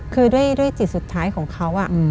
คือด้วยจิตสุดท้ายของเขา